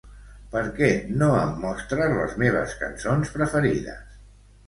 Per què no em mostres les meves cançons preferides?